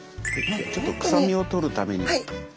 ちょっとくさみを取るために。